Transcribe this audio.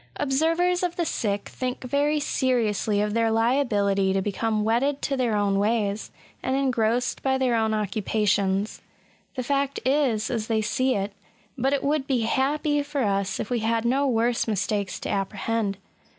Observers of the sick think very seriously of their liability to become wedded to their own ways, and engrossed by their own occupations. The fact is as they see it; but it would be happy for us if we had no worse mistakes to apprehend.